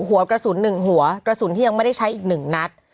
หัวกระสุน๑หัวกระสุนที่ยังไม่ได้ใช้อีก๑นัด